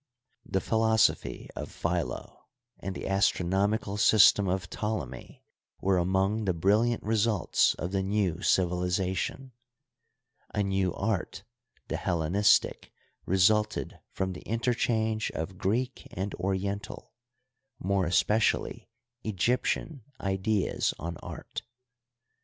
The philosophy of Philo and the astronomical system of Ptolemy were among the brilliant results of the new civili zation. A new art, the Hellenistic, resulted from the in terchange of Greek and Oriental — more especially Egyp tian — ideas on art.